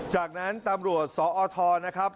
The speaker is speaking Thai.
จากนั้นตำรวจสอทนะครับ